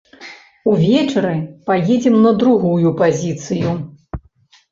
Увечары паедзем на другую пазіцыю.